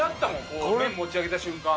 こう麺持ち上げた瞬間。